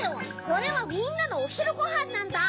これはみんなのおひるごはんなんだ！